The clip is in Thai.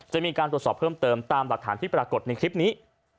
จะมีการตรวจสอบเพิ่มเติมตามหลักฐานที่ปรากฏในคลิปนี้